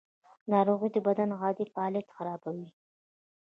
ناروغي د بدن عادي فعالیت خرابوي.